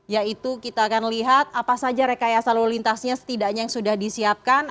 yaitu kita akan lihat apa saja rekayasa lalu lintasnya setidaknya yang sudah disiapkan